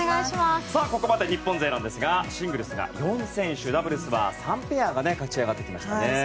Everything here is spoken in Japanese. ここまで日本勢なんですがシングルスが４選手ダブルスは３ペアが勝ち上がってきましたね。